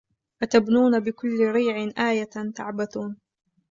أَتَبْنُونَ بِكُلِّ رِيعٍ آيَةً تَعْبَثُونَ